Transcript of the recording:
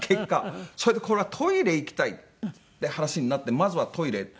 それでこれはトイレ行きたいって話になってまずはトイレ。